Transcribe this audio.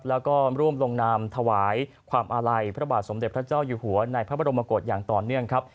แล้วก็ร่วมลงนามถวายความอาลัยพระบาทสมเด็จพระเจ้าอยู่หัวในพระบรมกฏอย่างต่อเนื่องครับ